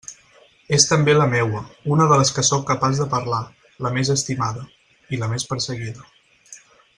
És també la meua, una de les que sóc capaç de parlar, la més estimada..., i la més perseguida.